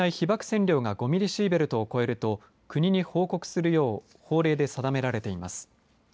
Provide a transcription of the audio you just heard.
線量が５ミリシーベルトを超えると国に報告するよう法令で定められています。